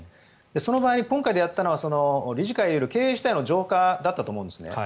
その場合、今回であったのは経営主体の浄化だったと思うんです。